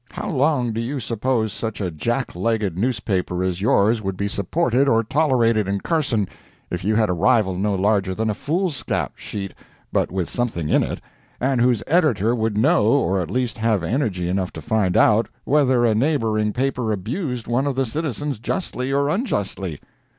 How long do you suppose such a jack legged newspaper as yours would be supported or tolerated in Carson, if you had a rival no larger than a foolscap sheet, but with something in it, and whose editor would know, or at least have energy enough to find out, whether a neighboring paper abused one of the citizens justly or unjustly?